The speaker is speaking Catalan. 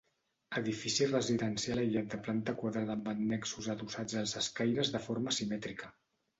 Edifici residencial aïllat de planta quadrada amb annexos adossats als escaires de forma simètrica.